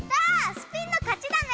スピンの勝ちだね。